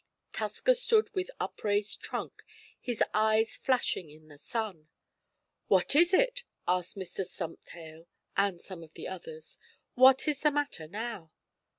Tusker stood with upraised trunk, his eyes flashing in the sun. "What is it?" asked Mr. Stumptail, and some of the others. "What is the matter now?"